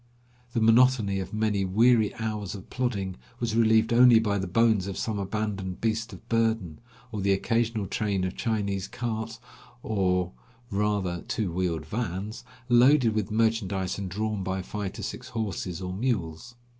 The monotony of many weary hours of plodding was relieved only by the bones of some abandoned 163 beast of burden, or the occasional train of Chinese carts, or rather two wheeled vans, loaded with merchandise, and drawn by five to six horses or mules.